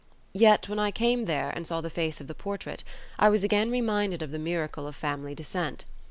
Yet, when I came there and saw the face of the portrait, I was again reminded of the miracle of family descent.